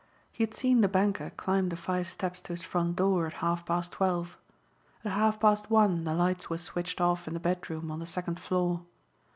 He had seen the banker climb the five steps to his front door at half past twelve. At half past one the lights were switched off in the bedroom on the second floor.